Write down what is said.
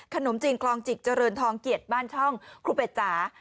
ขนมจีนคลองจิกเจริญทองเกียรติบ้านช่องครูเป็ดจ๋า